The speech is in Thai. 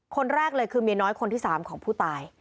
คนแรกเลยคือเมียน้อยคนที่๓ของผู้ตาย